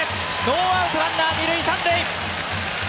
ノーアウト、ランナー二・三塁。